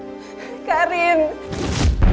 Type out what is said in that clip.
tukarin pintunya aku mohon